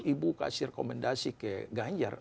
ibu kasih rekomendasi ke ganjar